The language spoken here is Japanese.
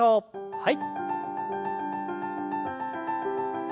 はい。